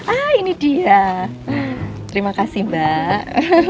ah ini dia terima kasih mbak